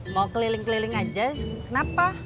mau keliling keliling aja kenapa